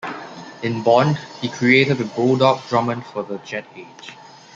In Bond, he created a Bulldog Drummond for the jet age.